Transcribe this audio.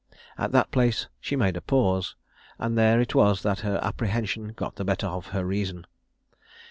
At that place she made a pause; and there it was that her apprehension got the better of her reason.